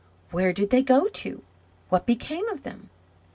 Where did they go to? What became of them?